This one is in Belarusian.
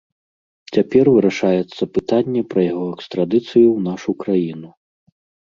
Цяпер вырашаецца пытанне пра яго экстрадыцыю ў нашу краіну.